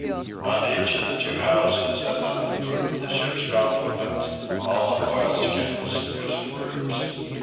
On each of the two houses and on the poop the ship's complement, all in oilskins, was in groups.